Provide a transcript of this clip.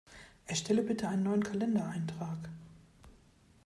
Erstelle bitte einen neuen Kalendereintrag!